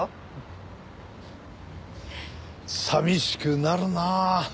寂しくなるなあ。